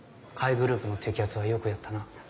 グループの摘発はよくやったな。